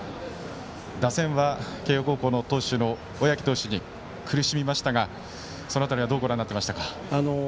打線は慶応高校投手の小宅投手に苦しみましたがその辺りはどうご覧になっていましたか。